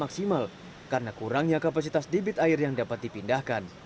karena kurangnya kapasitas debit air yang dapat dipindahkan